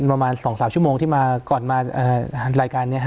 ประมาณ๒๓ชั่วโมงที่มาก่อนมารายการนี้